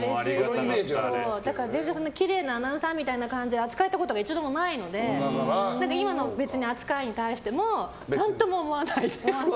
だから全然きれいなアナウンサーみたいに扱われたことが一度もないので今の扱いに対しても何とも思わないです。